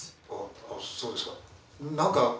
あああそうですか。